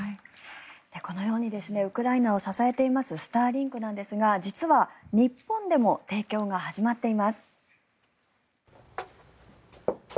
このようにウクライナを支えていますスターリンクなんですが実は、日本でも提供が始まっています。